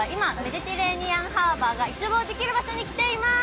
私たちは今、メディテレーニアンハーバーが一望できる場所に来ています。